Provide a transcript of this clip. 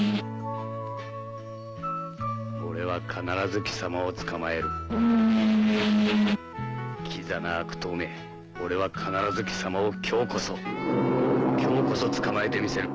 俺は必ず貴様を捕まえるキザな悪党め俺は必ず貴様を今日こそ今日こそ捕まえてみせる